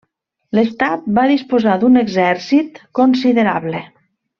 L'estat va disposar d'un exèrcit considerable.